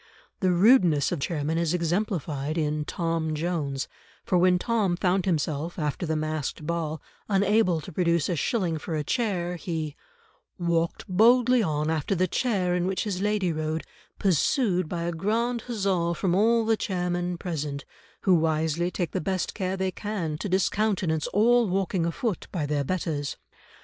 The rudeness of chairmen is exemplified in Tom Jones, for when Tom found himself after the masqued ball unable to produce a shilling for a chair, he "walked boldly on after the chair in which his lady rode, pursued by a grand huzza from all the chairmen present, who wisely take the best care they can to discountenance all walking afoot by their betters.